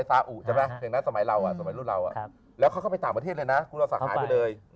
สมัยรูปเราแล้วเขาเข้าไปต่างประเทศเลยนะคุณศาสตร์ศาสตร์ทั่วเนย